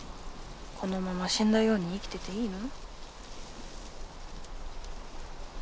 このまま死んだように生きてていいの？